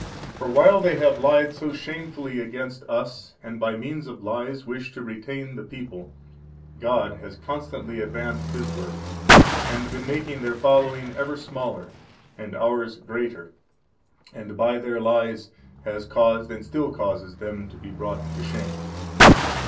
For while they have lied so shamefully against us and by means of lies wished to retain the people, God has constantly advanced His work, and been making their following ever smaller and ours greater, and by their lies has caused and still causes them to be brought to shame.